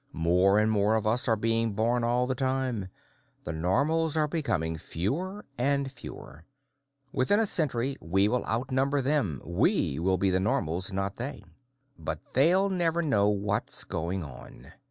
More and more of us are being born all the time; the Normals are becoming fewer and fewer. Within a century, we will outnumber them we will be the Normals, not they. "But they'll never know what's going on.